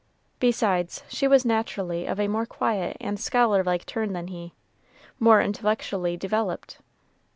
Besides, she was naturally of a more quiet and scholar like turn than he, more intellectually developed.